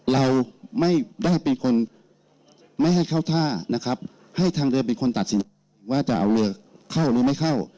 เราไม่ได้เป็นคนไม่ให้เข้าท่านะครับให้ทางเรือเป็นคนตัดสินว่าจะเอาเรือเข้าหรือไม่เข้า